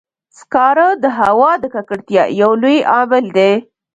سکاره د هوا د ککړتیا یو لوی عامل دی.